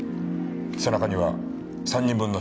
背中には３人分の掌紋